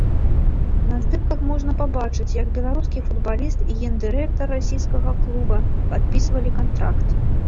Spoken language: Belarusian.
На здымках можна пабачыць, як беларускі футбаліст і гендырэктар расійскага клуба падпісвалі кантракт.